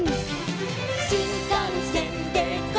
「しんかんせんでゴー！